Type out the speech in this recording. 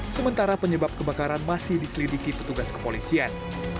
sementara penyebab kebakaran masih diselidiki petugas kepolisian